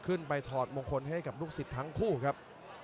ถอดมงคลให้กับลูกศิษย์ทั้งคู่ครับ